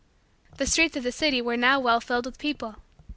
The streets of the city were now well filled with people.